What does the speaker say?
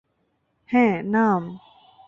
হ্যাঁ, নাম।